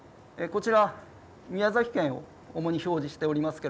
こちら、宮崎県を主に表示しておりますが